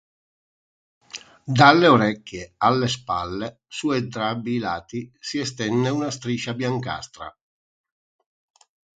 Dalle orecchie alle spalle, su entrambi i lati, si estende una striscia biancastra.